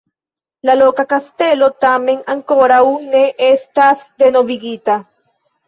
La loka kastelo tamen ankoraŭ ne estas renovigita.